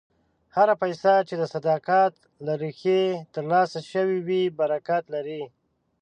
هره پیسه چې د صداقت له لارې ترلاسه شوې وي، برکت لري.